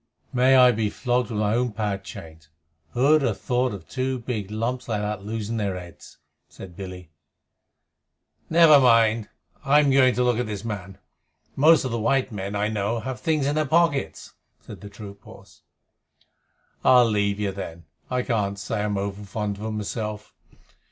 "May I be flogged with my own pad chains! Who'd have thought of two big lumps like those losing their heads?" said Billy. "Never mind. I'm going to look at this man. Most of the white men, I know, have things in their pockets," said the troop horse. "I'll leave you, then. I can't say I'm over fond of 'em myself.